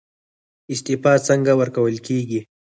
استعفا څنګه ورکول کیږي؟